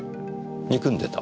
憎んでた？